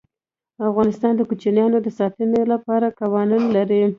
افغانستان د کوچیان د ساتنې لپاره قوانین لري.